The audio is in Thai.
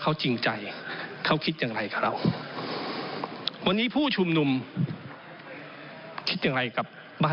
เขาทะเลาะกับเจ้าของหมา